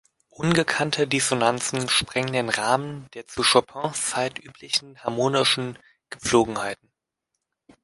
Ungekannte Dissonanzen sprengen den Rahmen der zu Chopins Zeit üblichen harmonischen Gepflogenheiten.